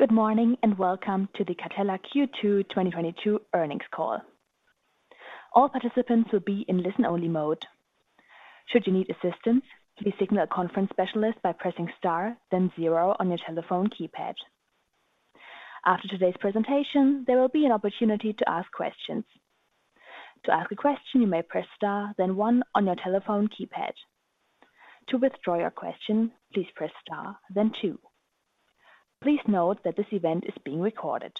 Good morning and welcome to the Catella Q2 2022 Earnings Call. All participants will be in listen-only mode. Should you need assistance, please signal a conference specialist by pressing star, then zero on your telephone keypad. After today's presentation, there will be an opportunity to ask questions. To ask a question, you may press star, then one on your telephone keypad. To withdraw your question, please press star, then two. Please note that this event is being recorded.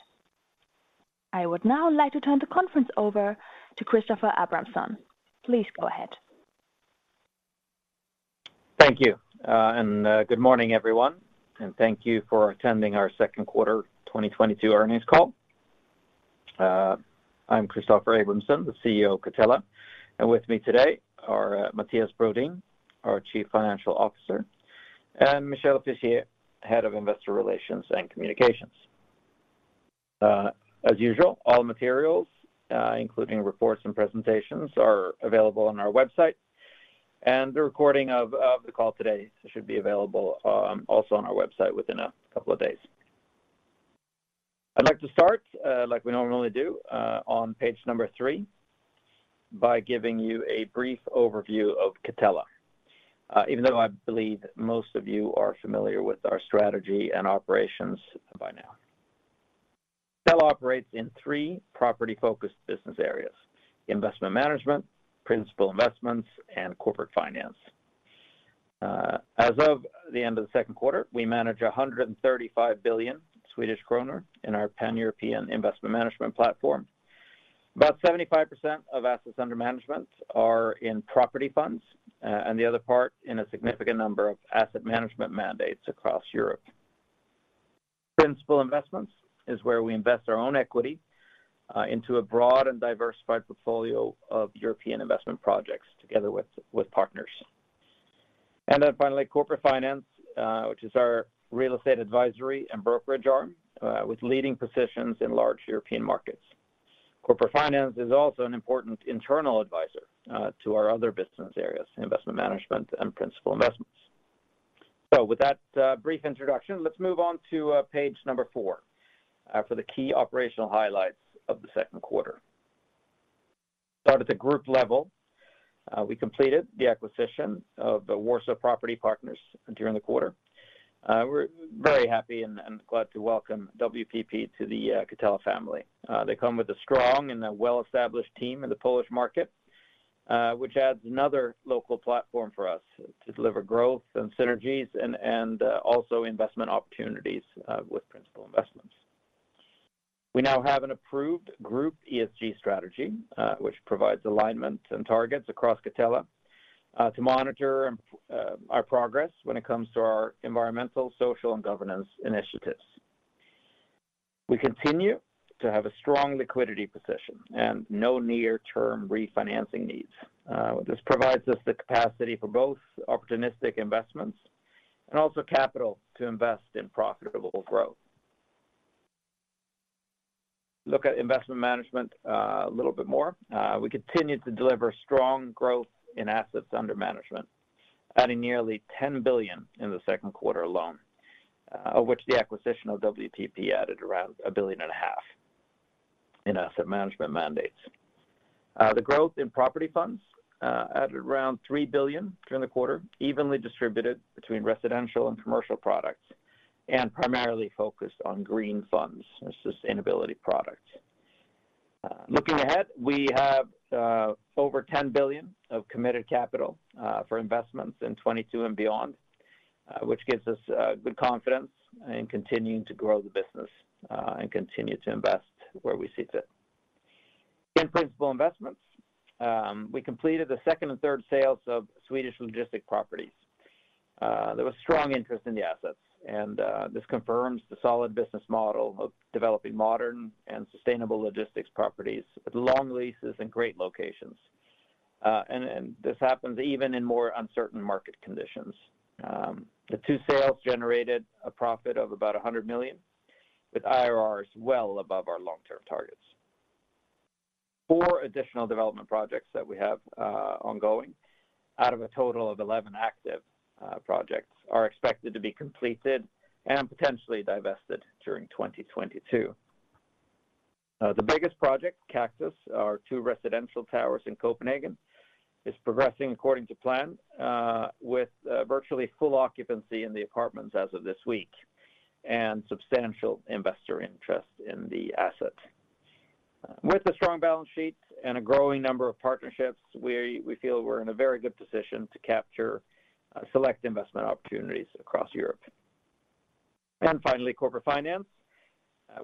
I would now like to turn the conference over to Christoffer Abramson. Please go ahead. Thank you. Good morning, everyone. Thank you for attending our second quarter 2022 earnings call. I'm Christoffer Abramson, the CEO of Catella. With me today are Mattias Brodin, our Chief Financial Officer, and Michel Fischier, Head of Investor Relations and Communications. As usual, all materials, including reports and presentations, are available on our website. The recording of the call today should be available, also on our website within a couple of days. I'd like to start, like we normally do, on page number 3, by giving you a brief overview of Catella. Even though I believe most of you are familiar with our strategy and operations by now. Catella operates in three property-focused business areas, investment management, principal investments, and corporate finance. As of the end of the second quarter, we manage 135 billion Swedish kronor in our Pan-European investment management platform. About 75% of assets under management are in property funds, and the other part in a significant number of asset management mandates across Europe. Principal investments is where we invest our own equity into a broad and diversified portfolio of European investment projects together with partners. Finally, corporate finance, which is our real estate advisory and brokerage arm, with leading positions in large European markets. Corporate finance is also an important internal advisor to our other business areas, investment management and principal investments. With that brief introduction, let's move on to page four for the key operational highlights of the second quarter. Start at the group level. We completed the acquisition of the Warsaw Property Partners during the quarter. We're very happy and glad to welcome WPP to the Catella family. They come with a strong and well-established team in the Polish market, which adds another local platform for us to deliver growth and synergies and also investment opportunities with principal investments. We now have an approved group ESG strategy, which provides alignment and targets across Catella to monitor our progress when it comes to our environmental, social, and governance initiatives. We continue to have a strong liquidity position and no near-term refinancing needs. This provides us the capacity for both opportunistic investments and also capital to invest in profitable growth. Look at investment management a little bit more. We continue to deliver strong growth in assets under management, adding nearly 10 billion in the second quarter alone, of which the acquisition of WPP added around 1.5 billion in asset management mandates. The growth in property funds added around 3 billion during the quarter, evenly distributed between residential and commercial products, and primarily focused on green funds and sustainability products. Looking ahead, we have over 10 billion of committed capital for investments in 2022 and beyond, which gives us good confidence in continuing to grow the business and continue to invest where we see fit. In principal investments, we completed the second and third sales of Swedish logistics properties. There was strong interest in the assets, and this confirms the solid business model of developing modern and sustainable logistics properties with long leases in great locations. This happens even in more uncertain market conditions. The two sales generated a profit of about 100 million, with IRRs well above our long-term targets. Four additional development projects that we have ongoing out of a total of 11 active projects are expected to be completed and potentially divested during 2022. The biggest project, Kaktus Towers, our two residential towers in Copenhagen, is progressing according to plan, with virtually full occupancy in the apartments as of this week and substantial investor interest in the asset. With a strong balance sheet and a growing number of partnerships, we feel we're in a very good position to capture select investment opportunities across Europe. Finally, corporate finance.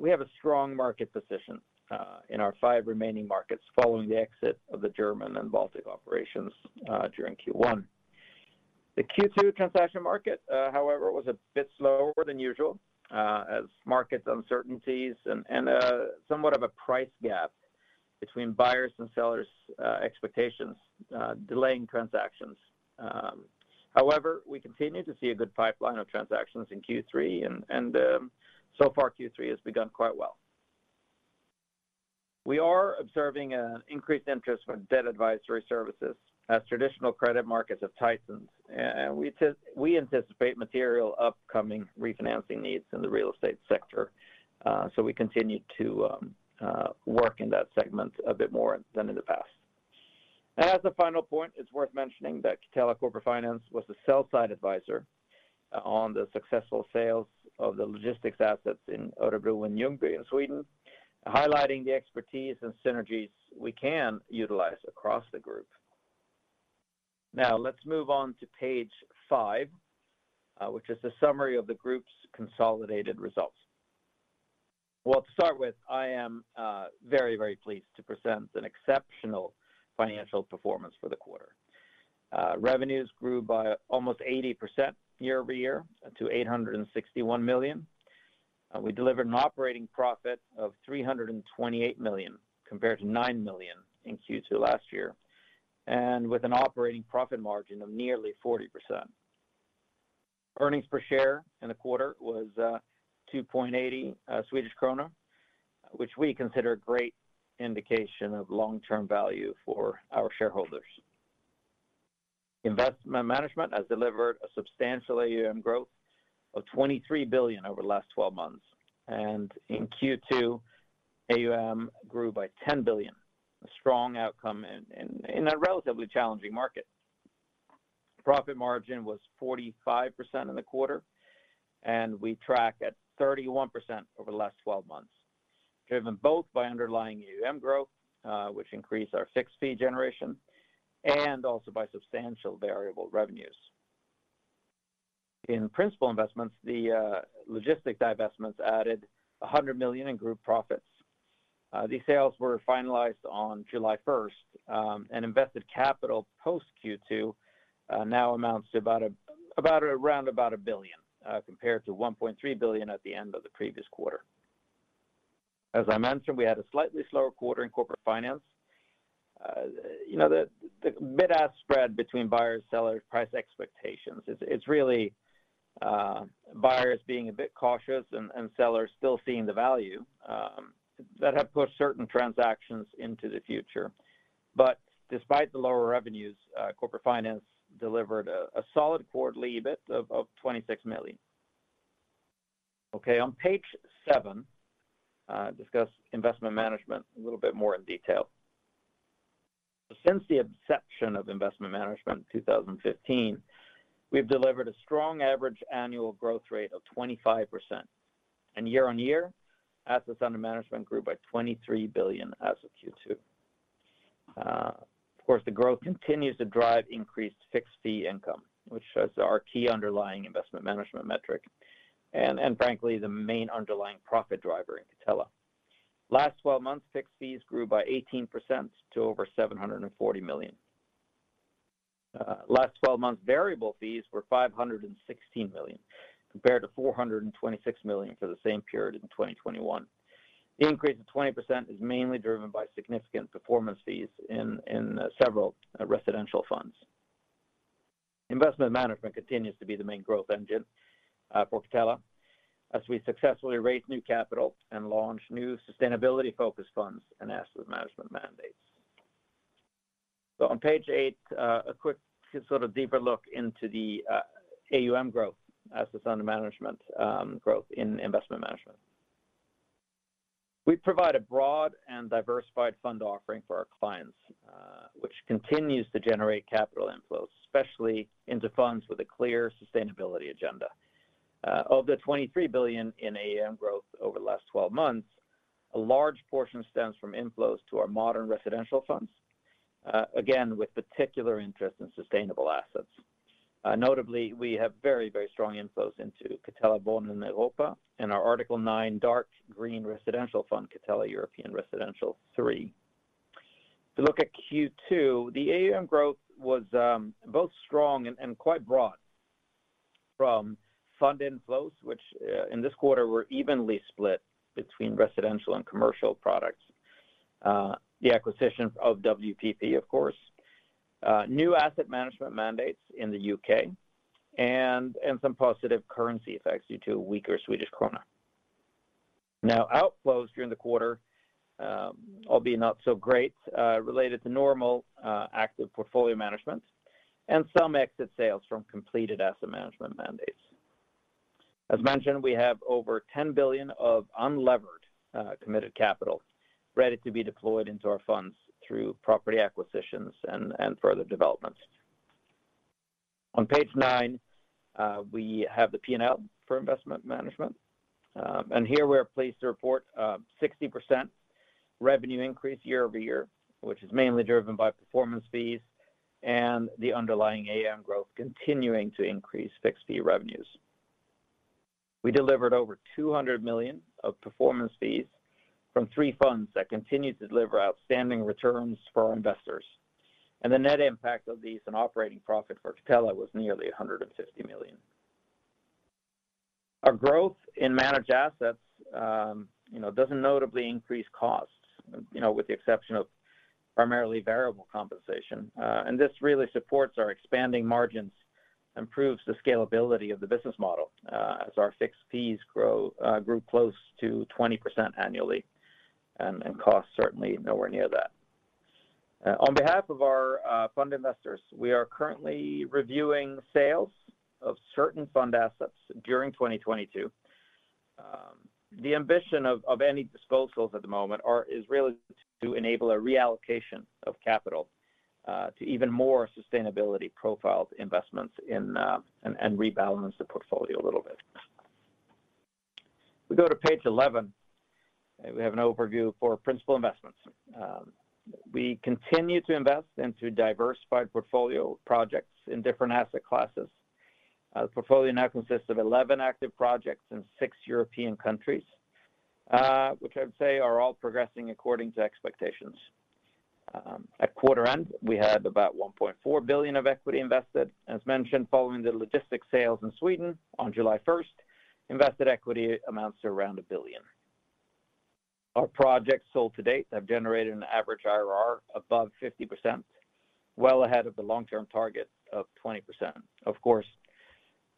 We have a strong market position in our five remaining markets following the exit of the German and Baltic operations during Q1. The Q2 transaction market, however, was a bit slower than usual as market uncertainties and somewhat of a price gap between buyers' and sellers' expectations delaying transactions. However, we continue to see a good pipeline of transactions in Q3 and so far, Q3 has begun quite well. We are observing an increased interest for debt advisory services as traditional credit markets have tightened. We anticipate material upcoming refinancing needs in the real estate sector, so we continue to work in that segment a bit more than in the past. As a final point, it's worth mentioning that Catella Corporate Finance was the sell-side advisor on the successful sales of the logistics assets in Örebro and Ljungby in Sweden, highlighting the expertise and synergies we can utilize across the group. Now let's move on to page five, which is a summary of the group's consolidated results. Well, to start with, I am very pleased to present an exceptional financial performance for the quarter. Revenues grew by almost 80% year-over-year to 861 million. We delivered an operating profit of 328 million compared to 9 million in Q2 last year, and with an operating profit margin of nearly 40%. Earnings per share in the quarter was 2.80 Swedish krona, which we consider a great indication of long-term value for our shareholders. Investment management has delivered a substantial AUM growth of SEK 23 billion over the last 12 months, and in Q2, AUM grew by SEK 10 billion, a strong outcome in a relatively challenging market. Profit margin was 45% in the quarter, and we track at 31% over the last 12 months, driven both by underlying AUM growth, which increased our fixed fee generation and also by substantial variable revenues. In principal investments, the logistic divestments added 100 million in group profits. These sales were finalized on July 1st, and invested capital post Q2 now amounts to about 1 billion, compared to 1.3 billion at the end of the previous quarter. As I mentioned, we had a slightly slower quarter in corporate finance. You know, the bid-ask spread between buyers, sellers, price expectations, it's really buyers being a bit cautious and sellers still seeing the value that have pushed certain transactions into the future. Despite the lower revenues, corporate finance delivered a solid quarterly EBIT of 26 million. Okay, on page seven, discuss investment management a little bit more in detail. Since the inception of investment management in 2015, we've delivered a strong average annual growth rate of 25%. Year-on-year, assets under management grew by 23 billion as of Q2. Of course, the growth continues to drive increased fixed fee income, which is our key underlying investment management metric and frankly, the main underlying profit driver in Catella. Last 12 months, fixed fees grew by 18% to over 740 million. Last twelve months variable fees were 516 million compared to 426 million for the same period in 2021. The increase of 20% is mainly driven by significant performance fees in several residential funds. Investment management continues to be the main growth engine for Catella as we successfully raise new capital and launch new sustainability-focused funds and asset management mandates. On page eight, a quick sort of deeper look into the AUM growth, assets under management, growth in investment management. We provide a broad and diversified fund offering for our clients, which continues to generate capital inflows, especially into funds with a clear sustainability agenda. Of the 23 billion in AUM growth over the last 12 months, a large portion stems from inflows to our modern residential funds, again, with particular interest in sustainable assets. Notably, we have very, very strong inflows into Catella Wohnen Europa and our Article 9 dark green residential fund, Catella European Residential III. If you look at Q2, the AUM growth was both strong and quite broad from fund inflows, which in this quarter were evenly split between residential and commercial products. The acquisition of WPP, of course. New asset management mandates in the UK and some positive currency effects due to a weaker Swedish krona. Now outflows during the quarter, albeit not so great, related to normal active portfolio management and some exit sales from completed asset management mandates. As mentioned, we have over 10 billion of unlevered committed capital ready to be deployed into our funds through property acquisitions and further developments. On page nine, we have the P&L for investment management. Here we are pleased to report a 60% revenue increase year-over-year, which is mainly driven by performance fees and the underlying AUM growth continuing to increase fixed fee revenues. We delivered over 200 million of performance fees from three funds that continue to deliver outstanding returns for our investors. The net impact of these on operating profit for Catella was nearly 150 million. Our growth in managed assets, you know, doesn't notably increase costs, you know, with the exception of primarily variable compensation. This really supports our expanding margins, improves the scalability of the business model, as our fixed fees grow, grew close to 20% annually, and costs certainly nowhere near that. On behalf of our fund investors, we are currently reviewing sales of certain fund assets during 2022. The ambition of any disposals at the moment is really to enable a reallocation of capital to even more sustainability profiled investments and rebalance the portfolio a little bit. We go to page 11, and we have an overview for principal investments. We continue to invest into diversified portfolio projects in different asset classes. The portfolio now consists of 11 active projects in six European countries, which I'd say are all progressing according to expectations. At quarter end, we had about 1.4 billion of equity invested. As mentioned, following the logistics sales in Sweden on July 1st, invested equity amounts to around 1 billion. Our projects sold to date have generated an average IRR above 50%, well ahead of the long-term target of 20%. Of course,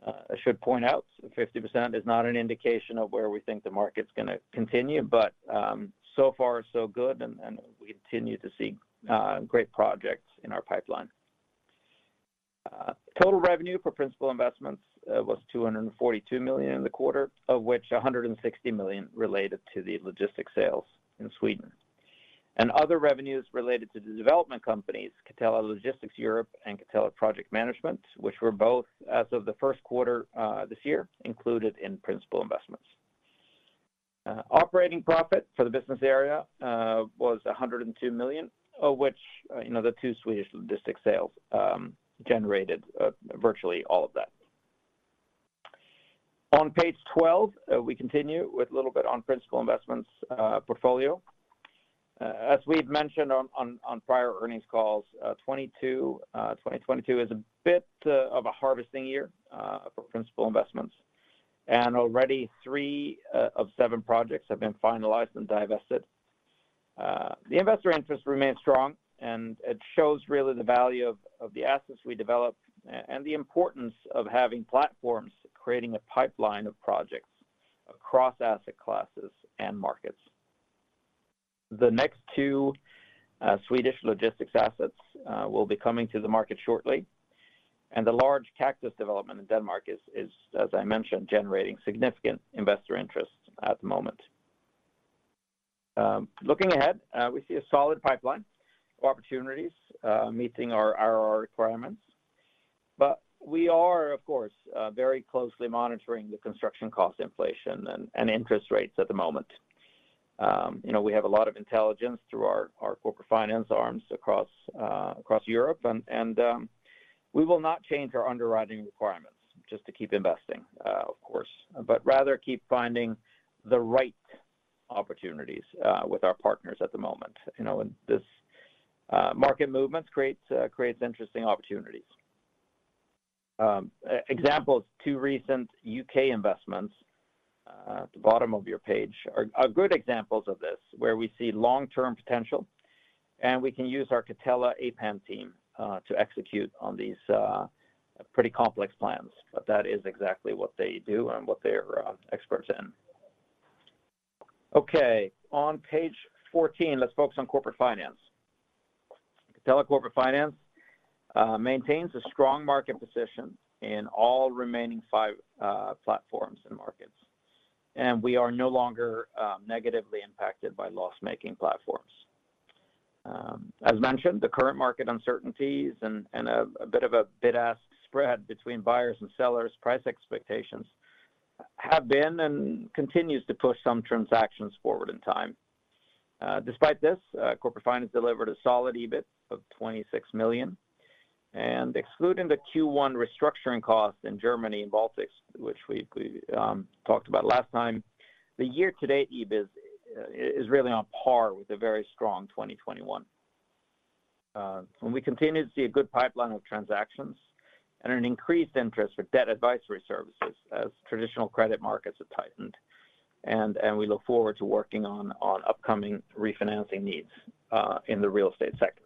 I should point out 50% is not an indication of where we think the market's gonna continue, but, so far so good and we continue to see great projects in our pipeline. Total revenue for principal investments was 242 million in the quarter, of which 160 million related to the logistics sales in Sweden. Other revenues related to the development companies, Catella Logistic Europe and Catella Project Management, which were both as of the first quarter this year, included in principal investments. Operating profit for the business area was 102 million, of which you know, the two Swedish logistics sales generated virtually all of that. On page 12, we continue with a little bit on principal investments portfolio. As we've mentioned on prior earnings calls, 2022 is a bit of a harvesting year for principal investments. Already three of seven projects have been finalized and divested. The investor interest remains strong, and it shows really the value of the assets we develop and the importance of having platforms, creating a pipeline of projects across asset classes and markets. The next two Swedish logistics assets will be coming to the market shortly, and the large Kaktus development in Denmark is, as I mentioned, generating significant investor interest at the moment. Looking ahead, we see a solid pipeline of opportunities meeting our IRR requirements. We are, of course, very closely monitoring the construction cost inflation and interest rates at the moment. You know, we have a lot of intelligence through our corporate finance arms across Europe and we will not change our underwriting requirements just to keep investing, of course, but rather keep finding the right opportunities with our partners at the moment. You know, this market movement creates interesting opportunities. Examples, two recent U.K. investments at the bottom of your page are good examples of this, where we see long-term potential and we can use our Catella APAM team to execute on these pretty complex plans. That is exactly what they do and what they're experts in. Okay, on page 14, let's focus on corporate finance. Catella Corporate Finance maintains a strong market position in all remaining five platforms and markets, and we are no longer negatively impacted by loss-making platforms. As mentioned, the current market uncertainties and a bit of a bid-ask spread between buyers and sellers price expectations have been and continues to push some transactions forward in time. Despite this, Corporate Finance delivered a solid EBIT of 26 million. Excluding the Q1 restructuring costs in Germany and Baltics, which we talked about last time, the year-to-date EBIT is really on par with a very strong 2021. We continue to see a good pipeline of transactions and an increased interest for debt advisory services as traditional credit markets have tightened. We look forward to working on upcoming refinancing needs in the real estate sector.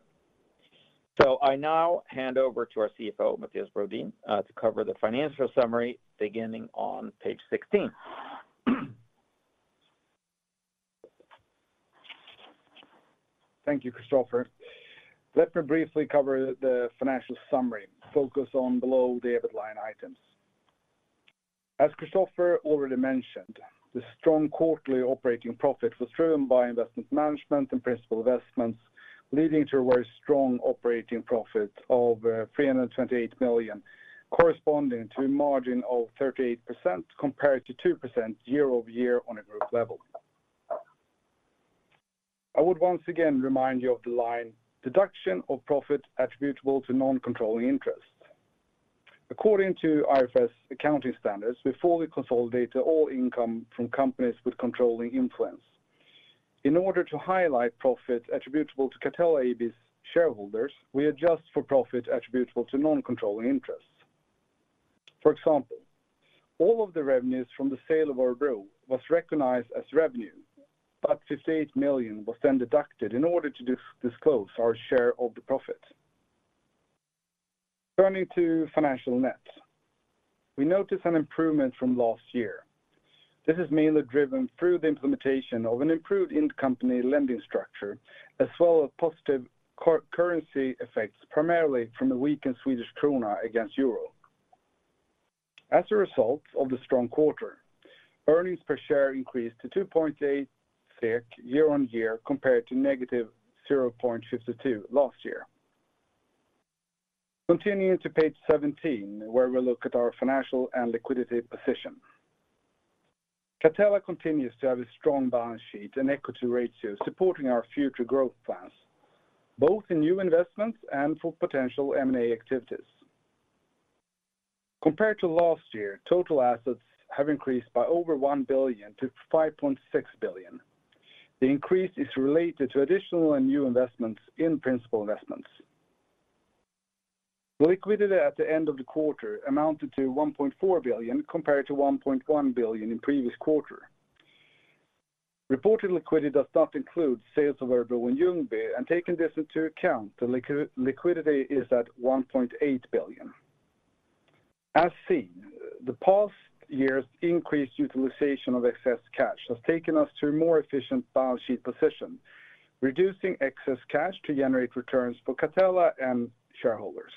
I now hand over to our CFO, Mattias Brodin, to cover the financial summary beginning on page 16. Thank you Christoffer. Let me briefly cover the financial summary, focus on below the EBIT line items. As Christoffer already mentioned, the strong quarterly operating profit was driven by investment management and principal investments, leading to a very strong operating profit of 328 million, corresponding to a margin of 38% compared to 2% year-over-year on a group level. I would once again remind you of the line deduction of profit attributable to non-controlling interests. According to IFRS accounting standards, before we consolidate all income from companies with controlling influence. In order to highlight profit attributable to Catella AB's shareholders, we adjust for profit attributable to non-controlling interests. For example, all of the revenues from the sale of Örebro was recognized as revenue, but 58 million was then deducted in order to disclose our share of the profit. Turning to financial net, we noticed an improvement from last year. This is mainly driven through the implementation of an improved in-company lending structure, as well as positive currency effects, primarily from the weakened Swedish krona against euro. As a result of the strong quarter, earnings per share increased to 2.8 SEK year-over-year, compared to -0.52 last year. Continuing to page 17, where we look at our financial and liquidity position. Catella continues to have a strong balance sheet and equity ratio supporting our future growth plans, both in new investments and for potential M&A activities. Compared to last year, total assets have increased by over 1 billion-5.6 billion. The increase is related to additional and new investments in principal investments. Liquidity at the end of the quarter amounted to 1.4 billion compared to 1.1 billion in previous quarter. Reported liquidity does not include sales of Örebro and Ljungby, and taking this into account, the liquidity is at 1.8 billion. As seen, the past year's increased utilization of excess cash has taken us to a more efficient balance sheet position, reducing excess cash to generate returns for Catella and shareholders.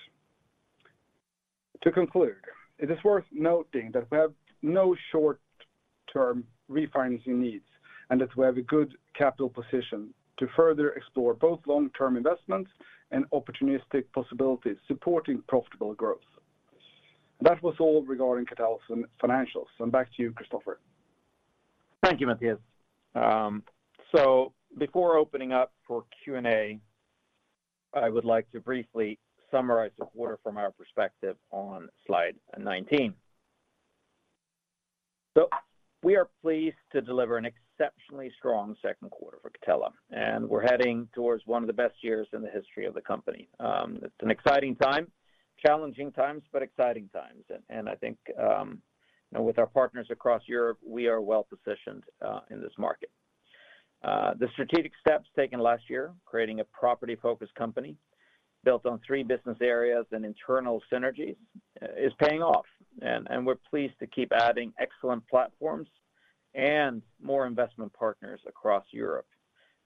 To conclude, it is worth noting that we have no short-term refinancing needs and that we have a good capital position to further explore both long-term investments and opportunistic possibilities supporting profitable growth. That was all regarding Catella's financials. Back to you Christoffer. Thank you Mattias. Before opening up for Q&A, I would like to briefly summarize the quarter from our perspective on slide 19. We are pleased to deliver an exceptionally strong second quarter for Catella, and we're heading towards one of the best years in the history of the company. It's an exciting time, challenging times, but exciting times. I think, you know, with our partners across Europe, we are well-positioned in this market. The strategic steps taken last year, creating a property-focused company built on three business areas and internal synergies, is paying off. We're pleased to keep adding excellent platforms and more investment partners across Europe,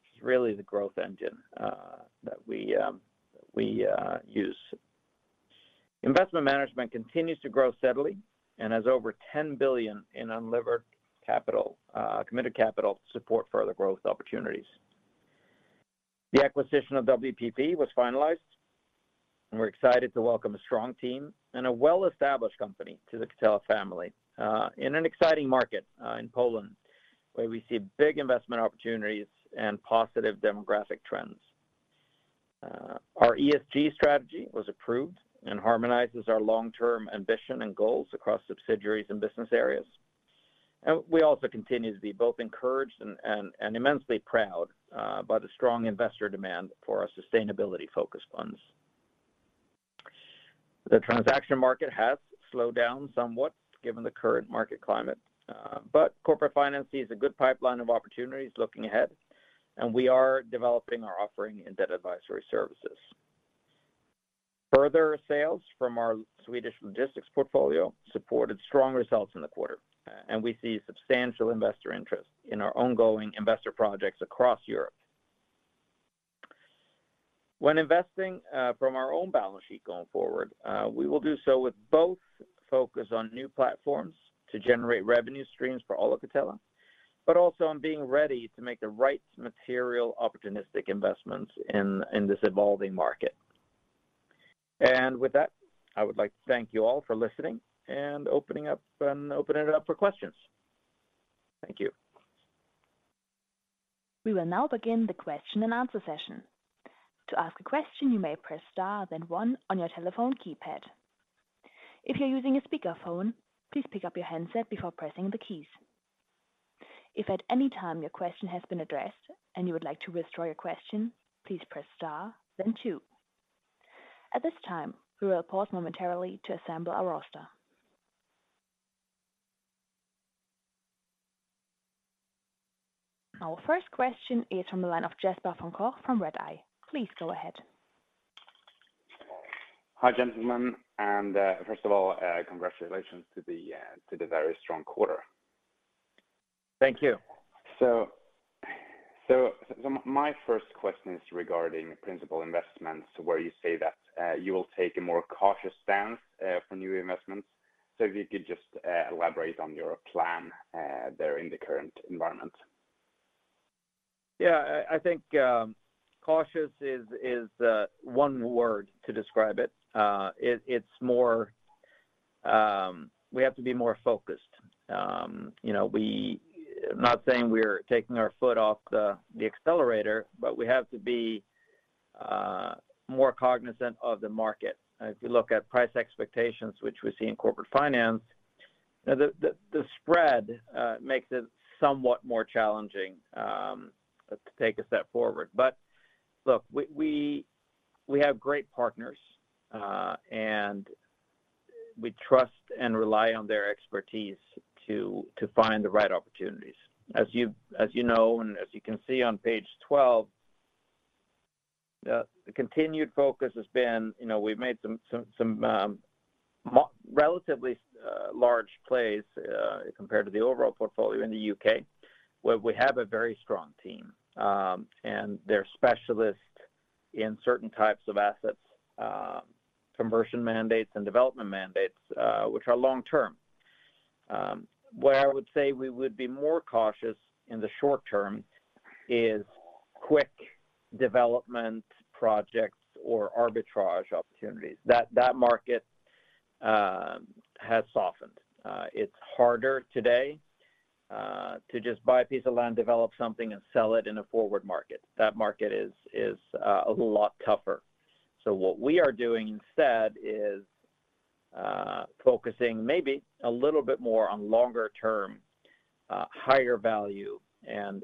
which is really the growth engine that we use. Investment management continues to grow steadily and has over 10 billion in unlevered committed capital to support further growth opportunities. The acquisition of WPP was finalized, and we're excited to welcome a strong team and a well-established company to the Catella family, in an exciting market, in Poland, where we see big investment opportunities and positive demographic trends. Our ESG strategy was approved and harmonizes our long-term ambition and goals across subsidiaries and business areas. We also continue to be both encouraged and immensely proud by the strong investor demand for our sustainability-focused funds. The transaction market has slowed down somewhat given the current market climate, but corporate finance sees a good pipeline of opportunities looking ahead, and we are developing our offering in debt advisory services. Further sales from our Swedish logistics portfolio supported strong results in the quarter, and we see substantial investor interest in our ongoing investor projects across Europe. When investing from our own balance sheet going forward, we will do so with both focus on new platforms to generate revenue streams for all of Catella, but also on being ready to make the right material opportunistic investments in this evolving market. With that, I would like to thank you all for listening and opening up and opening it up for questions. Thank you. We will now begin the question-and-answer session. To ask a question, you may press star then one on your telephone keypad. If you're using a speakerphone, please pick up your handset before pressing the keys. If at any time your question has been addressed and you would like to withdraw your question, please press star then two. At this time, we will pause momentarily to assemble our roster. Our first question is from the line of Jesper von Koch from Redeye. Please go ahead. Hi gentlemen and first of all, congratulations to the very strong quarter. Thank you. My first question is regarding principal investments, where you say that you will take a more cautious stance for new investments. If you could just elaborate on your plan there in the current environment. Yeah, I think cautious is one word to describe it. It's more we have to be more focused. You know, not saying we're taking our foot off the accelerator, but we have to be more cognizant of the market. If you look at price expectations, which we see in Corporate Finance, the spread makes it somewhat more challenging to take a step forward. Look, we have great partners, and we trust and rely on their expertise to find the right opportunities. As you know, and as you can see on page 12, the continued focus has been, you know, we've made some relatively large plays compared to the overall portfolio in the U.K., where we have a very strong team. They're specialists in certain types of assets, conversion mandates and development mandates, which are long term. Where I would say we would be more cautious in the short term is quick development projects or arbitrage opportunities. That market has softened. It's harder today to just buy a piece of land, develop something, and sell it in a forward market. That market is a lot tougher. What we are doing instead is focusing maybe a little bit more on longer term higher value and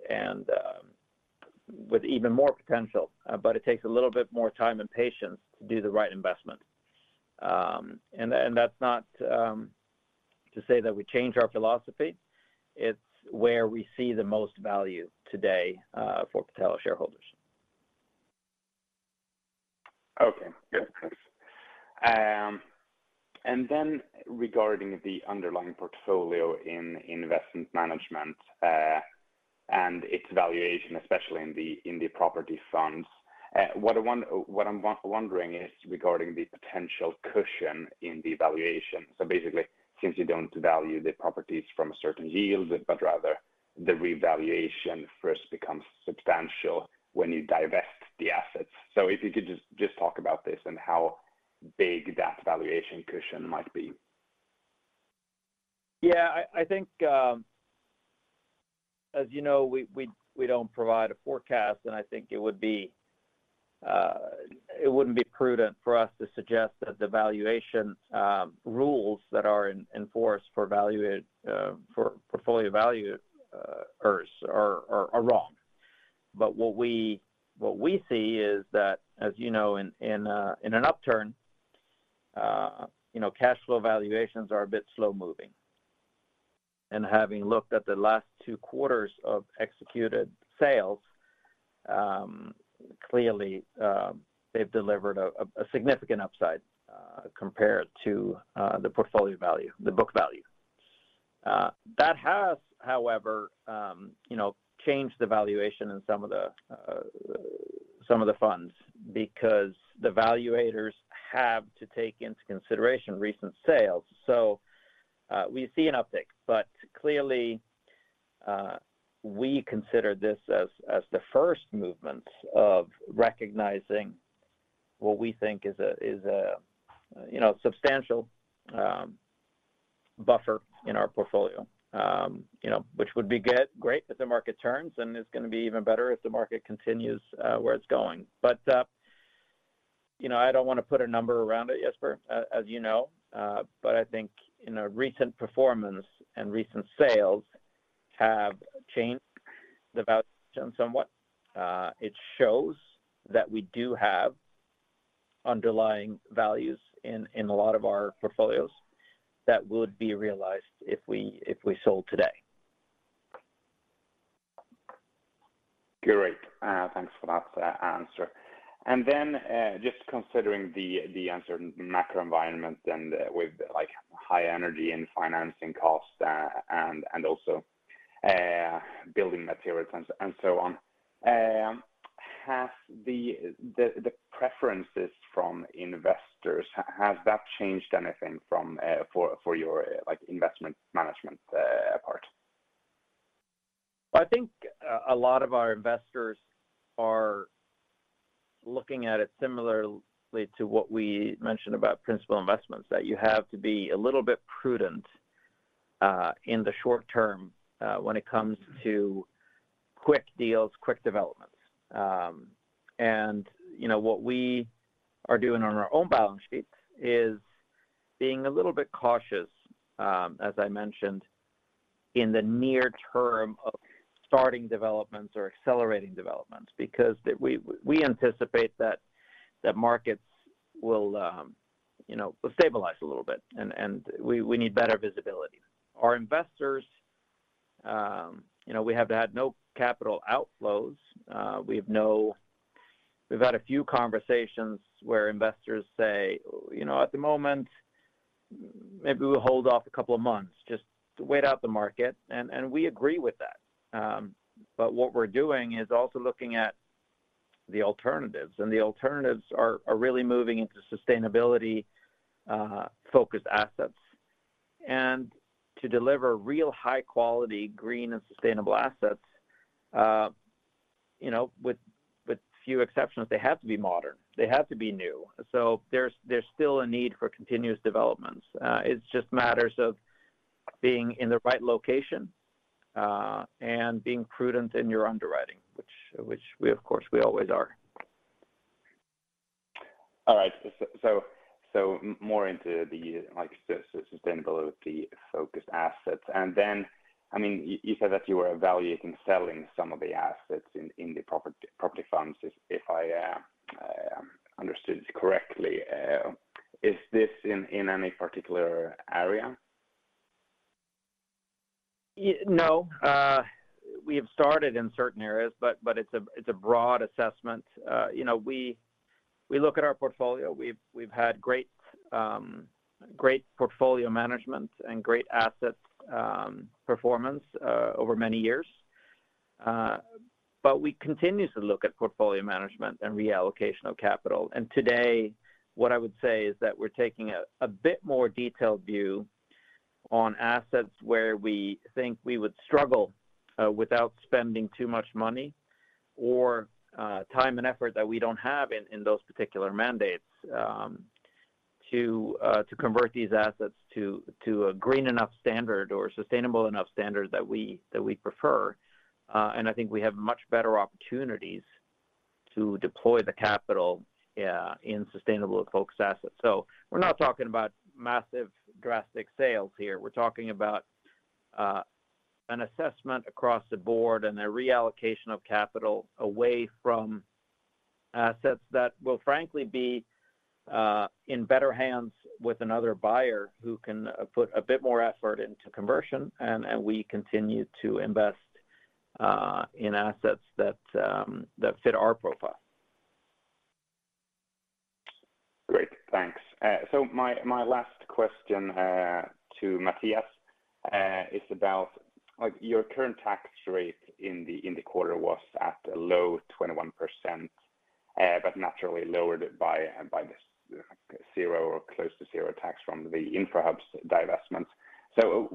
with even more potential. It takes a little bit more time and patience to do the right investment. That's not to say that we change our philosophy. It's where we see the most value today for Catella shareholders. Okay. Good. Thanks. Regarding the underlying portfolio in investment management and its valuation, especially in the property funds, what I'm wondering is regarding the potential cushion in the valuation. Basically since you don't value the properties from a certain yield, but rather the revaluation first becomes substantial when you divest the assets. If you could just talk about this and how big that valuation cushion might be. Yeah. I think, as you know, we don't provide a forecast, and I think it wouldn't be prudent for us to suggest that the valuation rules that are in force for portfolio evaluators are wrong. What we see is that, as you know, in an upturn, you know, cash flow valuations are a bit slow-moving. Having looked at the last two quarters of executed sales, clearly, they've delivered a significant upside compared to the portfolio value, the book value. That has, however, you know, changed the valuation in some of the funds because the valuators have to take into consideration recent sales. We see an uptick, but clearly, we consider this as the first movement of recognizing what we think is a substantial buffer in our portfolio. You know, which would be good, great if the market turns, and it's gonna be even better if the market continues where it's going. You know, I don't wanna put a number around it, Jesper, as you know. I think, you know, recent performance and recent sales have changed the valuation somewhat. It shows that we do have underlying values in a lot of our portfolios that would be realized if we sold today. Great. Thanks for that answer. Just considering the uncertain macro environment and with like high energy and financing costs and also building materials and so on. Have the preferences from investors has that changed anything from for your like investment management part? I think a lot of our investors are looking at it similarly to what we mentioned about principal investments, that you have to be a little bit prudent in the short term when it comes to quick deals, quick developments. You know, what we are doing on our own balance sheet is being a little bit cautious, as I mentioned, in the near term of starting developments or accelerating developments because we anticipate that the markets will, you know, stabilize a little bit. We need better visibility. Our investors, you know, we have had no capital outflows. We've had a few conversations where investors say, "You know, at the moment, maybe we'll hold off a couple of months just to wait out the market." We agree with that. What we're doing is also looking at the alternatives, and the alternatives are really moving into sustainability focused assets. To deliver real high quality green and sustainable assets, you know, with few exceptions, they have to be modern. They have to be new. There's still a need for continuous developments. It just matters of being in the right location, and being prudent in your underwriting, which we of course always are. All right, so more into the, like, sustainability focused assets. Then, I mean, you said that you were evaluating selling some of the assets in the property funds if I understood correctly. Is this in any particular area? No. We have started in certain areas, but it's a broad assessment. You know, we look at our portfolio. We've had great portfolio management and great asset performance over many years. We continue to look at portfolio management and reallocation of capital. Today, what I would say is that we're taking a bit more detailed view on assets where we think we would struggle without spending too much money or time and effort that we don't have in those particular mandates to convert these assets to a green enough standard or sustainable enough standard that we'd prefer. I think we have much better opportunities to deploy the capital in sustainable focused assets. We're not talking about massive drastic sales here. We're talking about an assessment across the board and a reallocation of capital away from assets that will frankly be in better hands with another buyer who can put a bit more effort into conversion, and we continue to invest in assets that fit our profile. Great, thanks. My last question to Mattias is about like your current tax rate in the quarter was at a low 21%, but naturally lowered by the zero or close to zero tax from the Infrahubs divestment.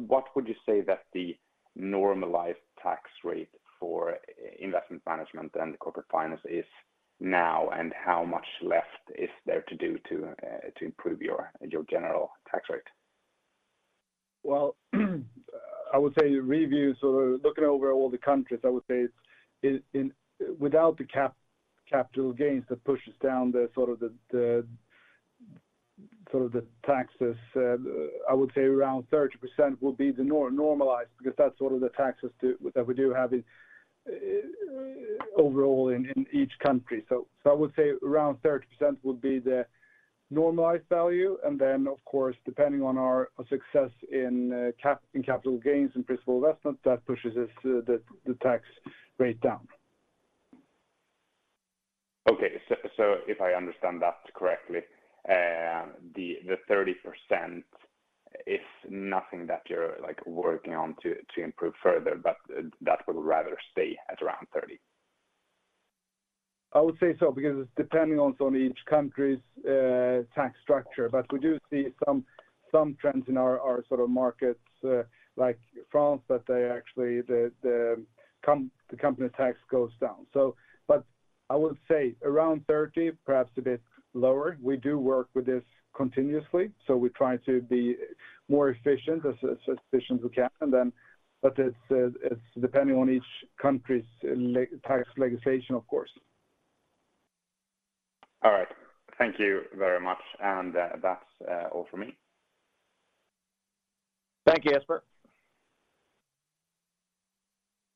What would you say that the normalized tax rate for investment management and corporate finance is now, and how much left is there to do to improve your general tax rate? Well, I would say reviewing or looking over all the countries, I would say it's without the capital gains that pushes down the sort of taxes. I would say around 30% will be the normalized because that's sort of the taxes that we do have overall in each country. I would say around 30% would be the normalized value. Then of course, depending on our success in capital gains and principal investment, that pushes the tax rate down. Okay. If I understand that correctly, the 30% is nothing that you're like working on to improve further, but that would rather stay at around 30%? I would say so because it's depending on sort of each country's tax structure. We do see some trends in our sort of markets like France that they actually the company tax goes down. I would say around 30%, perhaps a bit lower. We do work with this continuously, so we try to be more efficient as efficient we can then, but it's depending on each country's tax legislation of course. All right. Thank you very much. That's all for me. Thank you Jesper.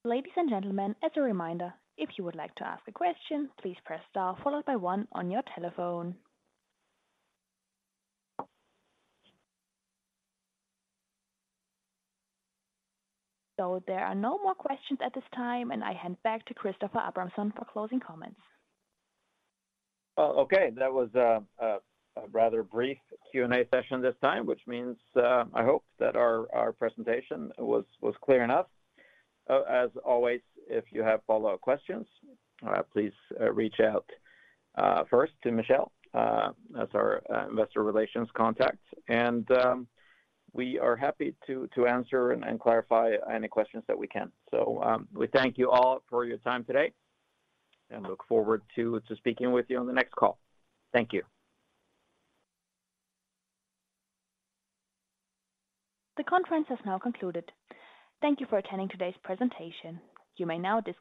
Ladies and gentlemen, as a reminder, if you would like to ask a question, please press star followed by one on your telephone. There are no more questions at this time, and I hand back to Christoffer Abramson for closing comments. Okay. That was a rather brief Q&A session this time which means I hope that our presentation was clear enough. As always, if you have follow-up questions, please reach out first to Michel as our investor relations contact. We are happy to answer and clarify any questions that we can. We thank you all for your time today and look forward to speaking with you on the next call. Thank you. The conference has now concluded. Thank you for attending today's presentation. You may now disconnect.